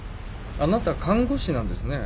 あなた看護師なんですね